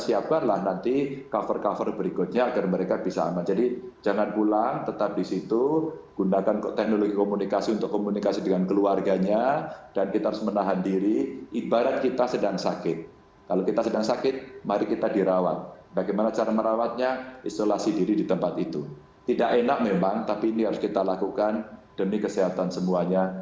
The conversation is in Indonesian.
siapkanlah nanti cover cover berikutnya agar mereka bisa aman jadi jangan pulang tetap di situ